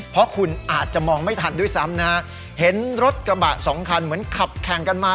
เพราะคุณอาจจะมองไม่ทันด้วยซ้ำนะฮะเห็นรถกระบะสองคันเหมือนขับแข่งกันมา